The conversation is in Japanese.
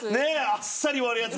あっさり終わるやつね。